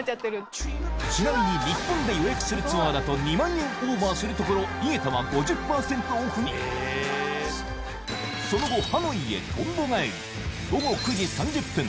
ちなみに日本で予約するツアーだと２万円オーバーするところ井桁は５０％オフにその後ハノイへとんぼ返り